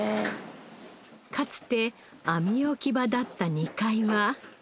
かつて網置き場だった２階は